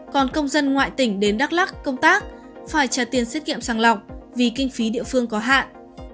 còn công dân ngoại tỉnh đến đắk lắc công tác phải trả tiền xét nghiệm sàng lọc vì kinh phí địa phương có hạn